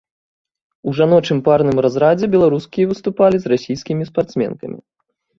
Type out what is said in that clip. У жаночым парным разрадзе беларускі выступалі з расійскімі спартсменкамі.